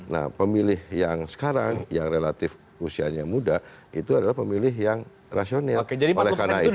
nah pemilih yang sekarang yang relatif usianya muda itu adalah pemilih yang rasional